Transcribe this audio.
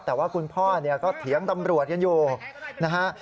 แต่ว่าคุณพ่อเนี่ยก็เถียงตำรวจกันอยู่นะฮะ